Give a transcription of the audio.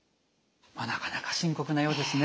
なかなか深刻なようですね。